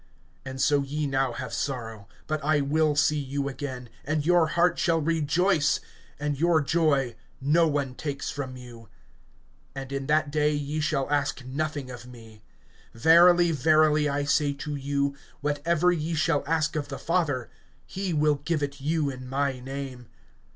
(22)And so ye now have sorrow; but I will see you again, and your heart shall rejoice, and your joy no one takes from you. (23)And in that day ye shall ask nothing of me. Verily, verily, I say to you: Whatever ye shall ask of the Father, he will give it you in my name.